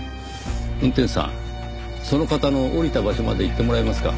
運転手さんその方の降りた場所まで行ってもらえますか？